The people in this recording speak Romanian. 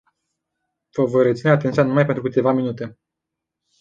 Vă voi reține atenția numai pentru câteva minute.